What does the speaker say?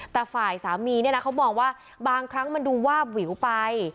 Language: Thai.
แต่ฝ่ายสามีเนี่ยนะเขามองว่าบางครั้งมันดูวาบวิวไป